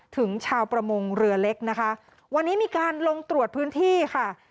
ถึงชาวประมงเรือเล็กนะคะวันนี้มีการลงตรวจพื้นที่ค่ะ